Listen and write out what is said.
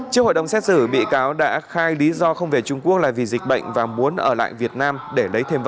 trước hội đồng xét xử bị cáo đã khai lý do không về trung quốc là vì dịch bệnh và muốn ở lại việt nam để lấy thêm tiền